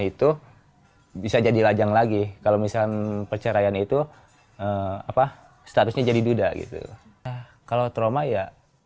itu bisa jadi lajang lagi kalau misalnya perceraian itu apa statusnya jadi duda gitu kalau trauma ya